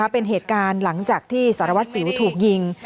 เป็นเหตุการณ์หลังจากที่สารวัตรสิวถูกยิง